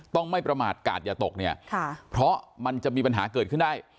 ต้องไม่ประมาทกาดอย่าตกเนี่ยเพราะมันจะมีปัญหาเกิดขึ้นได้